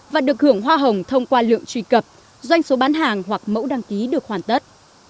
và được hưởng hoa hồng thông qua lượng truy cập doanh số bán hàng hoặc mẫu đăng ký được hoàn tất